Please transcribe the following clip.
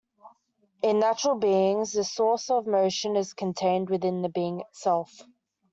In natural beings, this source of motion is contained within the being itself.